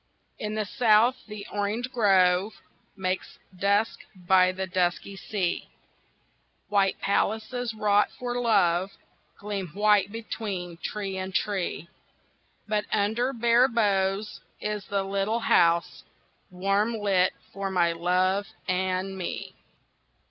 In the South the orange grove Makes dusk by the dusky sea, White palaces wrought for love Gleam white between tree and tree, But under bare boughs Is the little house Warm lit for my love and me.